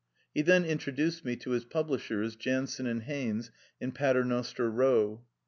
He then introduced me to his publishers, Jansen and Haines, in Pater noster Row.